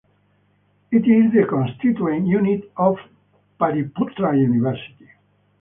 It is the constituent unit of Patliputra University.